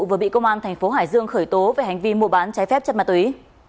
vừa bị công an thành phố hải dương khởi tố về hành vi mua bán trái phép chất ma túy